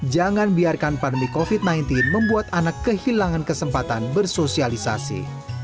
jangan biarkan pandemi covid sembilan belas membuat anak kehilangan kesempatan bersosialisasi